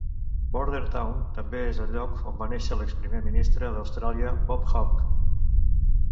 Bordertown també és el lloc on va néixer l'exprimer ministre d'Austràlia Bob Hawke.